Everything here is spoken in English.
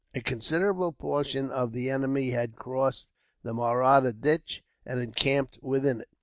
A considerable portion of the enemy had crossed the Mahratta Ditch, and encamped within it.